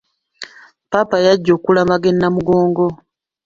Ppaapa yajja okulamaga e Namugongo.